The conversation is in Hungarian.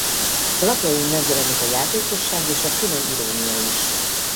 Lapjain megjelenik a játékosság és a finom irónia is.